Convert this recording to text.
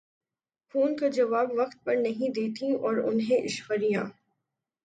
phone کا جواب وقت پر نہیں دیتیں اور انہیں ایشوریا